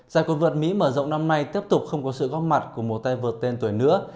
giải quân vượt mỹ mở rộng năm nay tiếp tục không có sự góp mặt của một tay vợt tên tuổi nữa